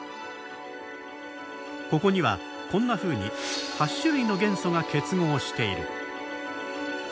ここにはこんなふうに８種類の元素が結合している。